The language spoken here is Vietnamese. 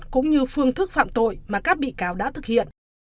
cũng như phương thức phạm tội mà các bị cáo đã thực hiện